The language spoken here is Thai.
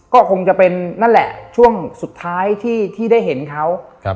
ก็คงจะเป็นนั่นแหละช่วงสุดท้ายที่ได้เห็นเขา